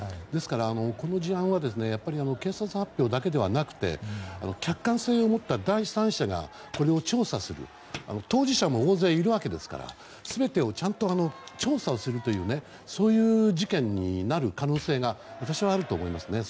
ですから、この事案は警察発表だけではなくて客観性を持った第三者がこれを調査する当事者も大勢いるわけですから全てをちゃんと調査をするという事件になる可能性が私はあると思います。